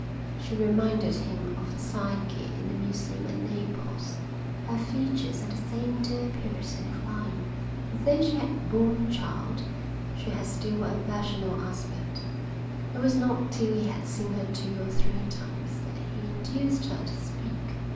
She reminded him of the Psyche in the museum at Naples. Her features had the same dear purity of line, and though she had borne a child she had still a virginal aspect. It was not till he had seen her two or three times that he induced her to speak.